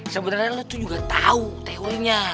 sebenernya lo tuh juga tau teorinya